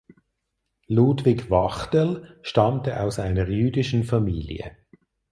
Ludwig Wachtel stammte aus einer jüdischen Familie.